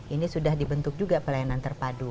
ini sudah dibentuk juga pelayanan terpadu